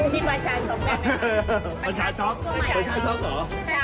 มีประชาช็อคได้ไหมครับ